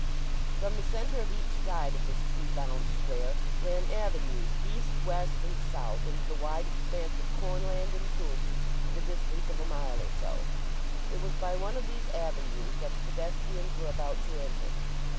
From the centre of each side of this tree bound square ran avenues east, west, and south into the wide expanse of cornland and coomb to the distance of a mile or so. It was by one of these avenues that the pedestrians were about to enter.